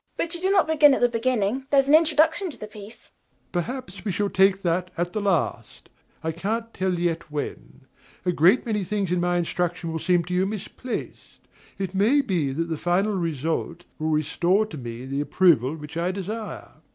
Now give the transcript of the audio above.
EMILY. But you do not begin at the beginning: there is an introduction to the piece. DOMINIE. Perhaps we shall take that at the last: I can't tell yet when. A great many things in my instruction will seem to you misplaced: it may be that the final result will restore to me the approval which I desire. EMILY.